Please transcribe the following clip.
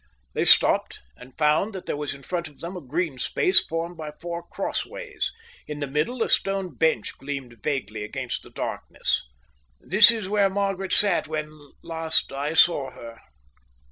They stopped, and found that there was in front of them a green space formed by four cross ways. In the middle a stone bench gleamed vaguely against the darkness. "This is where Margaret sat when last I saw her."